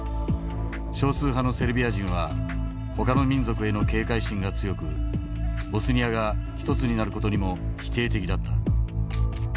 少数派のセルビア人はほかの民族への警戒心が強くボスニアが一つになる事にも否定的だった。